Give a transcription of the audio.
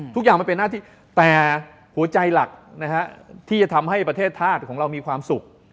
ทุกอย่างมันเป็นหน้าที่แต่หัวใจหลักที่จะทำให้ประเทศธาตุของเรามีความสุข